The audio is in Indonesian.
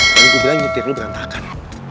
dan itu bilang nyetir lu berantakan